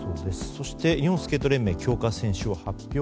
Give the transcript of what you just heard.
そして日本スケート連盟強化選手を発表。